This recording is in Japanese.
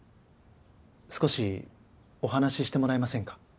少しお話ししてもらえませんか？